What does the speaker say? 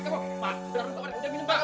cepat cepat cepat cepat